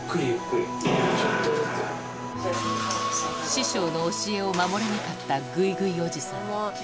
師匠の教えを守れなかったグイグイおじさん